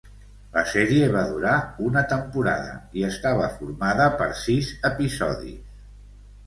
La sèrie va durar una temporada i estava formada per sis episodis.